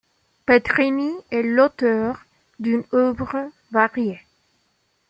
Petrini est l’auteur d’une œuvre variée.